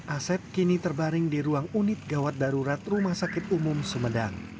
asep kini terbaring di ruang unit gawat darurat rumah sakit umum sumedang